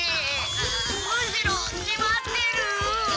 むしろしまってる！